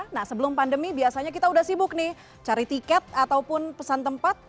nah sebelum pandemi biasanya kita udah sibuk nih cari tiket ataupun pesan tempat